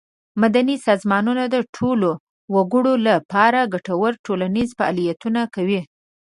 مدني سازمانونه د ټولو وګړو له پاره ګټور ټولنیز فعالیتونه کوي.